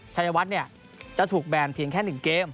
ชัยวัดจะถูกแบนเพียงแค่๑เกม